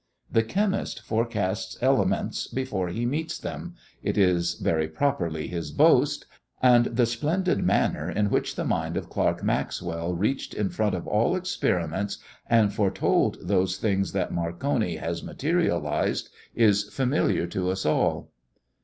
The chemist forecasts elements before he meets them it is very properly his boast and the splendid manner in which the mind of Clerk Maxwell reached in front of all experiments and foretold those things that Marconi has materialized is familiar to us all.